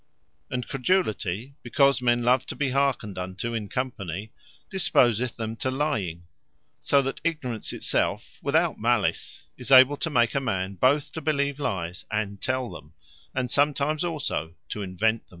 And Credulity, because men love to be hearkened unto in company, disposeth them to lying: so that Ignorance it selfe without Malice, is able to make a man bothe to believe lyes, and tell them; and sometimes also to invent them.